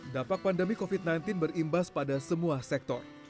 dampak pandemi covid sembilan belas berimbas pada semua sektor